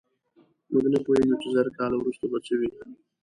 موږ نه پوهېږو، چې زر کاله وروسته به څه وي.